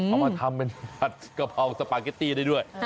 เอามาทำเป็นผัดกะเพราสปาเกตตี้ได้ด้วย